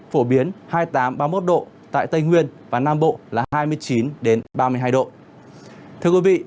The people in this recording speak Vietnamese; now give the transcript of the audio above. nhiệt độ là hai mươi tám ba mươi một độ tại tây nguyên và nam bộ là hai mươi chín ba mươi hai độ